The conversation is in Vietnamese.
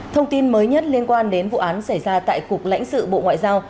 thông tin mới nhất liên quan đến vụ án xảy ra tại cục lãnh sự bộ ngoại giao